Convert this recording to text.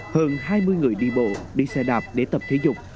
hơn hai mươi người đi bộ đi xe đạp để tập thể dục